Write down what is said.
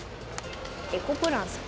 エコ・プランさん。